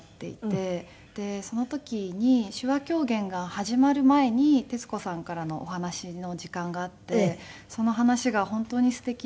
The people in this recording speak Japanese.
でその時に手話狂言が始まる前に徹子さんからのお話の時間があってその話が本当にすてきで。